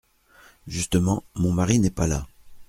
Justement, mon mari n’est pas là.